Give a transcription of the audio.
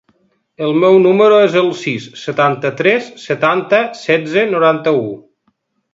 El meu número es el sis, setanta-tres, setanta, setze, noranta-u.